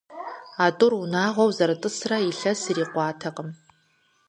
А тӀур унагъуэу зэрытӀысрэ илъэс ирикъуатэкъым.